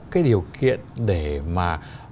cái điều kiện để mà